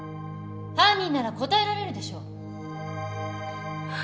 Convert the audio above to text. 犯人なら答えられるでしょう？